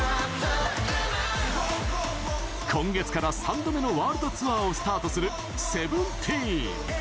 今月から３度目のワールドツアーをスタートするＳＥＶＥＮＴＥＥＮ。